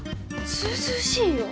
ずうずうしいよ。